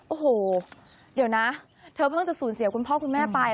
โอ้โหเดี๋ยวนะเธอเพิ่งจะสูญเสียคุณพ่อคุณแม่ไป